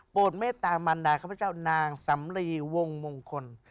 เมตตามันดาข้าพเจ้านางสำลีวงมงคล